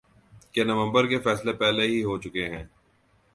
کہ نومبر کے فیصلے پہلے ہی ہو چکے ہیں۔